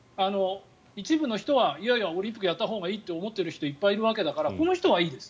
一部の人はオリンピックやったほうがいいと思っている人はいっぱいいるわけだからこの人はいいです。